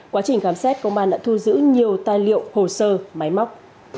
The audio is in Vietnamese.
quá trình khám xét công an đã thu giữ nhiều tài liệu hồ sơ máy móc